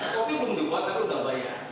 kopi belum dibuat tapi sudah bayar